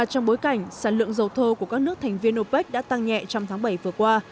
trong bối cảnh sản lượng dầu thô của các nước thành viên opec đã tăng nhẹ trong tháng bảy vừa qua